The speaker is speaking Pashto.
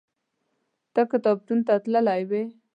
ته کتابتون ته تللی وې؟